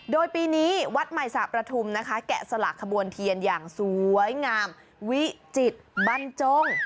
โดยปีนี้วัดใหม่สระประทุมนะคะแกะสลักขบวนเทียนอย่างสวยงามวิจิตรบรรจง